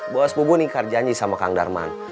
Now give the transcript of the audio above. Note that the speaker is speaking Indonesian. bos bubun ingkar janji sama kang darman